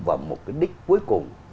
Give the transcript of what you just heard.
vào một cái đích cuối cùng